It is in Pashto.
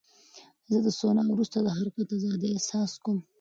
زه د سونا وروسته د حرکت ازادۍ احساس کوم.